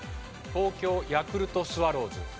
東京ヤクルトスワローズ。